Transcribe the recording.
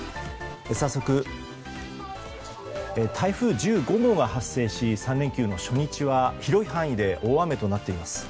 早速、台風１５号が発生し３連休の初日は広い範囲で大雨となっています。